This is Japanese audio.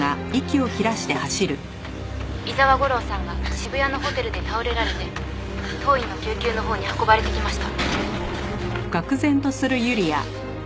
「伊沢吾良さんが渋谷のホテルで倒れられて当院の救急のほうに運ばれてきました」